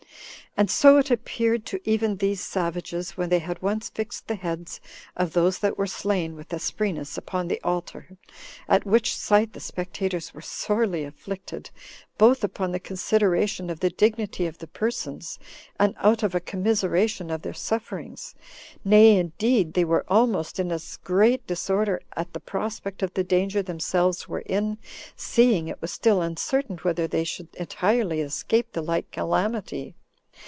And so it appeared to even these savages, when they had once fixed the heads of those that were slain with Asprenas upon the altar; at which sight the spectators were sorely afflicted, both upon the consideration of the dignity of the persons, and out of a commiseration of their sufferings; nay, indeed, they were almost in as great disorder at the prospect of the danger themselves were in, seeing it was still uncertain whether they should entirely escape the like calamity.